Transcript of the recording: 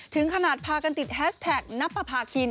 ถึงขนาดพากันติดแฮสแท็กนับประพาคิน